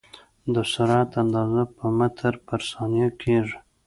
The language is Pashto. د سرعت اندازه په متر پر ثانیه کېږي.